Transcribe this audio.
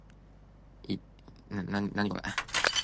一對